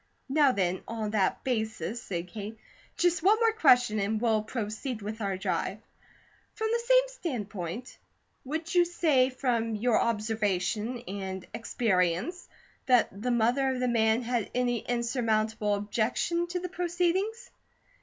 "Now, then, on that basis," said Kate, "just one more question and we'll proceed with our drive. From the same standpoint: would you say from your observation and experience that the mother of the man had any insurmountable objection to the proceedings?"